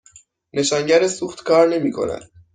نشانگر سوخت کار نمی کند.